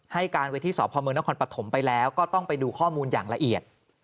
ให้การไว้ที่สพมนครปฐมไปแล้วก็ต้องไปดูข้อมูลอย่างละเอียด